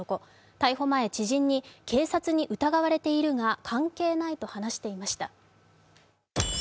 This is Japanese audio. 逮捕前、知人に、警察に疑われているが関係ないと話していました。